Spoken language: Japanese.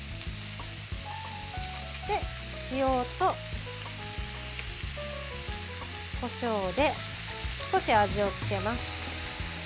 塩と、こしょうで少し味をつけます。